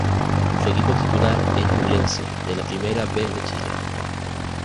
Su equipo titular es Ñublense de la Primera B de Chile.